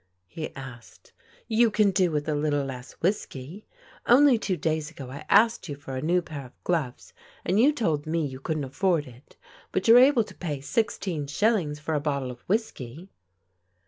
he asked. "You can do with a little less whiskey. Only two days ago I asked you for a new pair of gloves and you told me you couldn't afford it. But you're able to pay sixteen shillings for a bottle of whiskey."